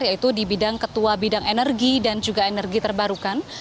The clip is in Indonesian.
yaitu di bidang ketua bidang energi dan juga energi terbarukan